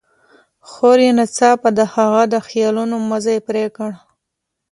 خور يې ناڅاپه د هغه د خيالونو مزی پرې کړ.